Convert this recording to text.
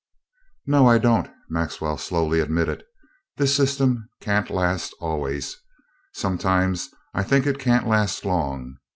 "No, I don't," Maxwell slowly admitted. "This system can't last always sometimes I think it can't last long.